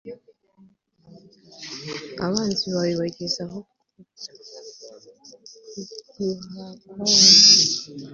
abanzi bawe bageze aho kuguhakwaho